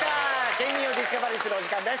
県民をディスカバリーするお時間です。